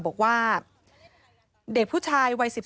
บอกว่าเด็กผู้ชายวัย๑๔